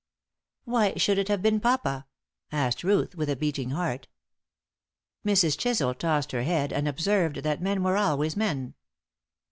"Why should it have been papa?" asked Ruth, with a beating heart. Mrs. Chisel tossed her head and observed that men were always men.